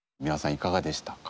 いかがでしたか？